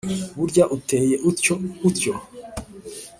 burya uteye utyo’ utyo